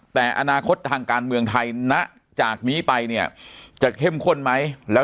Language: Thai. แต่อนาคตทางการเมืองไทยณจากนี้ไปเนี่ยจะเข้มข้นไหมแล้ว